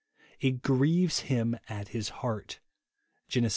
"It grieves him at his heart," (Gen. vi.